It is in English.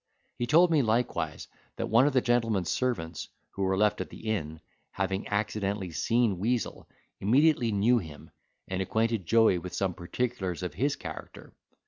He told me likewise, that one of the gentleman's servants, who were left at the inn, having accidentally seen Weazel, immediately knew him, and acquainted Joey with some particulars of his character.